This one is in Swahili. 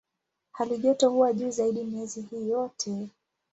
Halijoto huwa juu zaidi miezi hii yote.